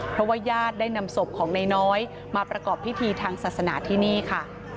เพราะว่าญาติได้นำศพของนายน้อยมาประกอบพิธีทางศาสนาที่นี่ค่ะ